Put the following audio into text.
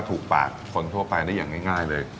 ถูกปากคนทั่วไปได้อย่างง่ายเลย